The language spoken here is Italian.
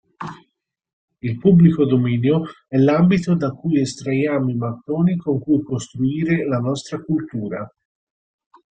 Il pubblico dominio è l‘ambito da cui estraiamo i mattoni con cui costruire la nostra cultura.